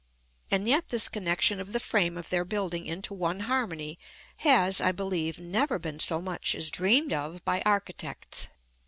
And yet this connexion of the frame of their building into one harmony has, I believe, never been so much as dreamed of by architects.